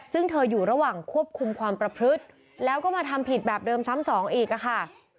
ซึ่งเธออยู่ระหว่างควบคุมความประพฤติแล้วก็มาทำผิดแบบเดิมซ้ำสองอีกค่ะ